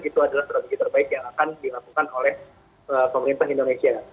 itu adalah strategi terbaik yang akan dilakukan oleh pemerintah indonesia